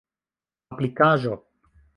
aplikaĵo